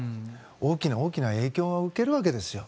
大きな大きな影響を受けるわけですよ。